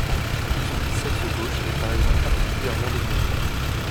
Son biceps gauche est par exemple particulièrement développé.